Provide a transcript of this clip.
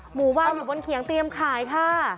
หมูวางอยู่บนเขียงเตรียมขายค่ะ